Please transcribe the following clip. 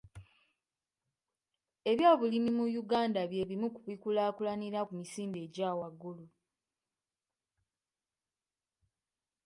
Ebyobulimi mu Uganda bye bimu ku bikulaakulanira ku misinde egya waggulu.